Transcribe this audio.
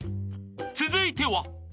［続いては］